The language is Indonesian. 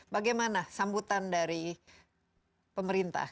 bagaimana sambutan dari pemerintah